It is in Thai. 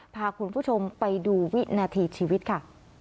พาคุณผู้ชมไปดูวินาทีชีวิตค่ะ